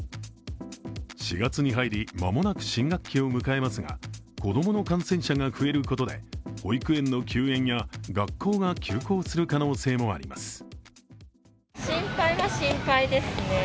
４月に入り、間もなく新学期を迎えますが子供の感染者が増えることで保育園の休園や学校が休校する可能性もあります。